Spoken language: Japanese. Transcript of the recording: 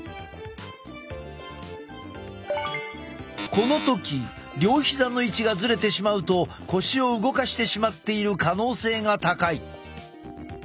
この時両膝の位置がずれてしまうと腰を動かしてしまっている可能性が高い。